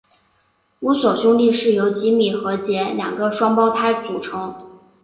乌索兄弟是由吉米跟杰两个双胞胎组成。